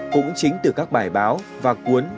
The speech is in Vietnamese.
cũng chính từ các bài báo và cuốn